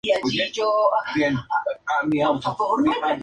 Fue coautora de cinco papeles con Francis Darwin, el hijo de Charles Darwin.